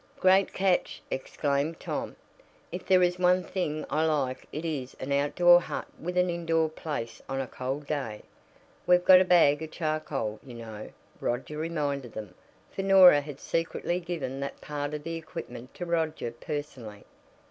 "Great catch!" exclaimed Tom. "If there is one thing I like it is an outdoor hut with an indoor place on a cold day." "We've got a bag of charcoal, you know," Roger reminded them, for Norah had secretly given that part of the equipment to Roger personally.